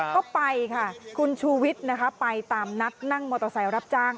ก็ไปค่ะคุณชูวิทย์นะคะไปตามนัดนั่งมอเตอร์ไซค์รับจ้าง